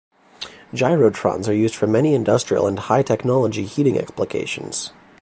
Gyrotrons are used for many industrial and high-technology heating applications.